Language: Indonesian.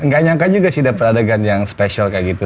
gak nyangka juga sih dapet adegan yang spesial kayak gitu